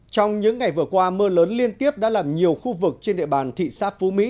trong những ngày vừa qua mưa lớn liên tiếp đã làm nhiều khu vực trên địa bàn thị xã phú mỹ